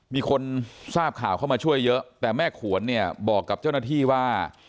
มีคนทราบข่าวเข้ามาช่วยเยอะแต่แม่ขวนเนี่ยบอกกับเจ้าหน้าที่ว่า